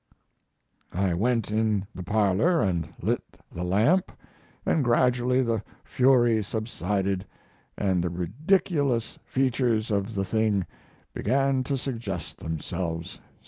I went in the parlor and lit the lamp, and gradually the fury subsided and the ridiculous features of the thing began to suggest themselves.